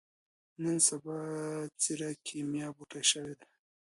نن سبا ځيره کېميا بوټی شوې ده.